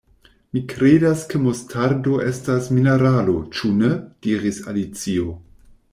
"Mi kredas ke mustardo estas mineralo, ĉu ne?" diris Alicio.